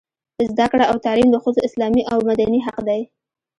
زده کړه او تعلیم د ښځو اسلامي او مدني حق دی.